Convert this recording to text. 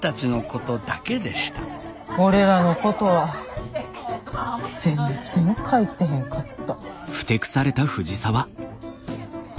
俺らのことは全然書いてへんかった。